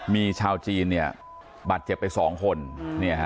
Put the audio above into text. มีชาวจีนเนี้ยบัตรเจ็บไปสองคนอืมเนี้ยฮะ